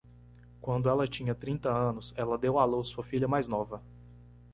Quando ela tinha trinta anos, ela deu à luz sua filha mais nova.